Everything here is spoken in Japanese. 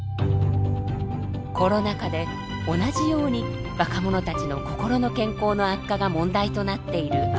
コロナ禍で同じように若者たちの心の健康の悪化が問題となっているアメリカ。